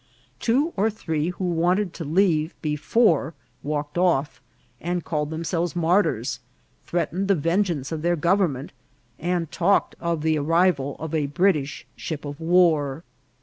Two or three who wanted to leave before walked off, and called themselves mar tyrs, threatened the vengeance of their government, and talked of the arrival of a British ship of war.